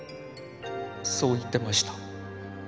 そう言ってました。